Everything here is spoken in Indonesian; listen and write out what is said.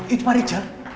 itu pak rijal